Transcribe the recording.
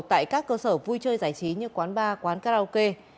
tại các cơ sở vui chơi giải trí như quán bar quán karaoke